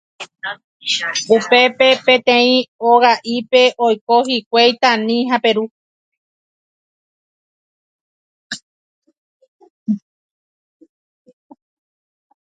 Upépe peteĩ oga'ípe oiko hikuái Tani ha Peru